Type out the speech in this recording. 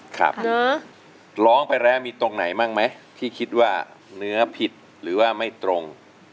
ครับเนื้อร้องไปแล้วมีตรงไหนบ้างไหมที่คิดว่าเนื้อผิดหรือว่าไม่ตรง